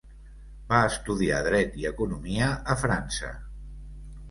Va estudiar dret i economia a França.